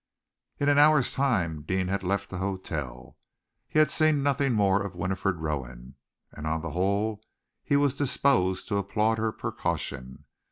In an hour's time Deane had left the hotel. He had seen nothing more of Winifred Rowan, and on the whole he was disposed to applaud her precaution.